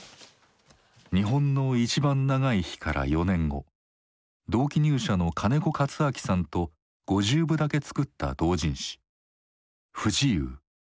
「日本のいちばん長い日」から４年後同期入社の金子勝昭さんと５０部だけ作った同人誌「不自由」。